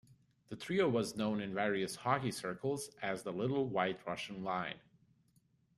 The trio was known in various hockey circles as the "Little White Russian" line.